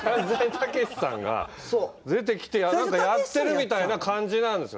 たけしさんが出てきて何かやってるみたいな感じなんですよね。